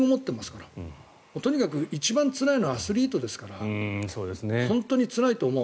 とにかく一番つらいのはアスリートですから本当につらいと思う。